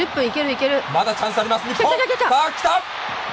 まだチャンスあります、日本！